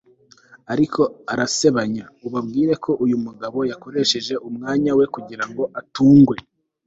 ariko arasebanya. ubabwire ko uyu mugabo yakoresheje umwanya we kugirango atungwe